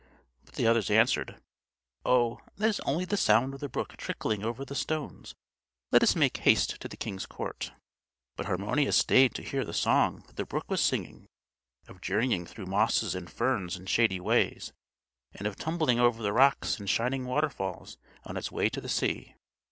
But the others answered: "Oh! that is only the sound of the brook trickling over the stones. Let us make haste to the king's court." But Harmonius stayed to hear the song that the brook was singing, of journeying through mosses and ferns and shady ways, and of tumbling over the rocks in shining waterfalls on its way to the sea.